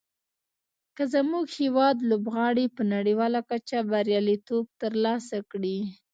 که زموږ هېواد لوبغاړي په نړیواله کچه بریالیتوب تر لاسه کړي.